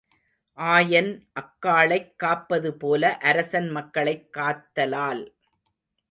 ஆயன் ஆக்களைக் காப்பதுபோல அரசன் மக்களைக் காத்தலால்